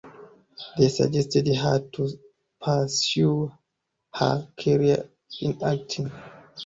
They suggested her to pursue her career in acting.